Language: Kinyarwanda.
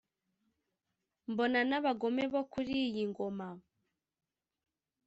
Mbona n'abagome bo kuri iyi ngoma